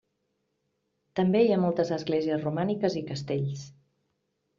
També hi ha moltes esglésies romàniques i castells.